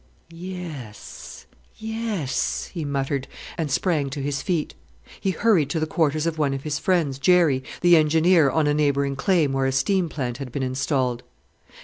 "Yes, yes!" he muttered, and sprang to his feet. He hurried to the quarters of one of his friends, Jerry, the engineer on a neighbouring claim where a steam plant had been installed.